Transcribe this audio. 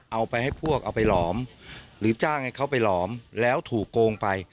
เอาไปให้พวกเอาไปหลอมหรือจ้างให้เขาไปหลอมแล้วถูกโกงไป